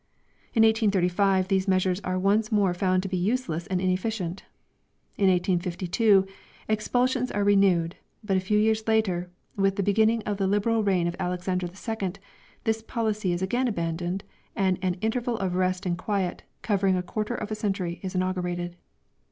In 1835, these measures are once more found to be useless and inefficient. In 1852, expulsions are renewed, but a few years later, with the beginning of the liberal reign of Alexander II, this policy is again abandoned and an interval of rest and quiet, covering a quarter of a century, is inaugurated.